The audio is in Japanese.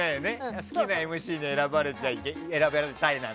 好きなＭＣに選ばれたいなんて。